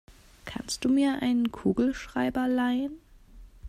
Kannst du mir einen Kugelschreiber leihen?